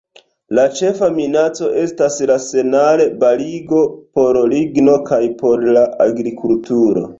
La ĉefa minaco estas la senarbarigo por ligno kaj por la agrikulturo.